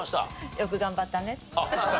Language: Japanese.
「よく頑張ったね」。